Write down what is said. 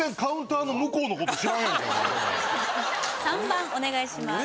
３番お願いします